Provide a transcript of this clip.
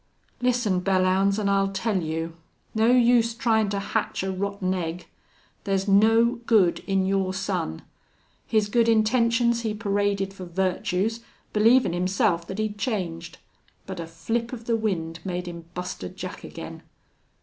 "Listen, Belllounds, an' I'll tell you.... No use tryin' to hatch a rotten egg! There's no good in your son. His good intentions he paraded for virtues, believin' himself that he'd changed. But a flip of the wind made him Buster Jack again....